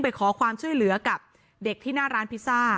ไปขอความช่วยเหลือกับเด็กที่หน้าร้านพิซซ่า